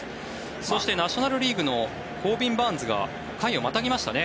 そして、ナショナル・リーグのコービン・バーンズが回をまたぎましたね。